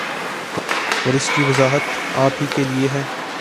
اور اس کی وضاحت آپ ہی کیلئے ہیں